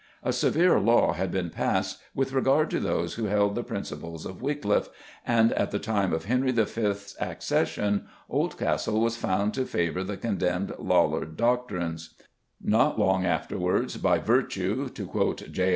A severe law had been passed with regard to those who held the principles of Wycliffe, and at the time of Henry V.'s accession, Oldcastle was found to favour the condemned Lollard doctrines. Not long afterwards, by virtue (to quote J.